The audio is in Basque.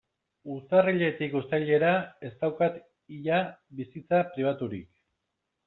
Urtarriletik uztailera ez daukat ia bizitza pribaturik.